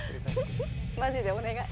マジでお願い。